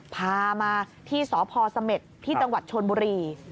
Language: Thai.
พามาที่สพเสม็ดที่ตชนบุรี